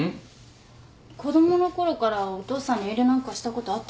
子供のころからお父さんに遠慮なんかしたことあったかな。